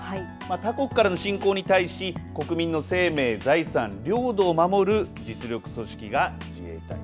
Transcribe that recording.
他国からの侵攻に対し国民の生命、財産領土を守る実力組織が自衛隊。